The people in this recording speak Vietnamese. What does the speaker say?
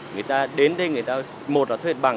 người ta đến đây một là thuệt bằng